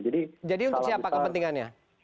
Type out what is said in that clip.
jadi untuk siapa kepentingannya